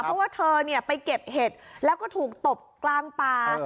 เพราะว่าเธอไปเก็บเห็ดแล้วก็ถูกตบกลางป่า